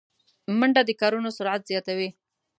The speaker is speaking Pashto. منډه د کارونو سرعت زیاتوي